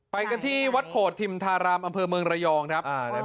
ไปกันที่วัดโพธิมธารามอำเภอเมืองระยองครับ